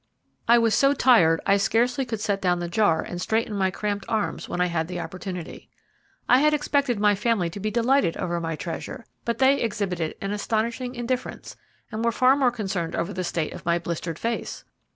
I was so tired I scarcely could set down the jar and straighten my cramped arms when I had the opportunity. I had expected my family to be delighted over my treasure, but they exhibited an astonishing indifference, and were far more concerned over the state of my blistered face.